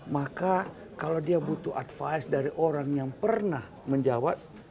maka kalau dia butuh advice dari orang yang pernah menjawab